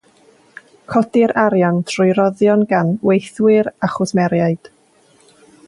Codir arian drwy roddion gan weithwyr a chwsmeriaid.